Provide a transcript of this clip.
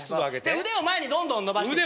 で腕を前にどんどん伸ばしてください。